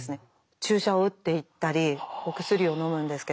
注射を打っていったりお薬をのむんですけれども。